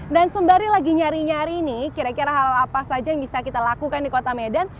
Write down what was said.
dan sembari lagi nyari nyari nih kira kira hal apa saja yang bisa kita lakukan di kota medan